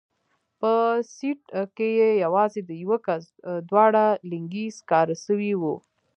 په سيټ کښې يې يوازې د يوه کس دواړه لينگي سکاره سوي وو.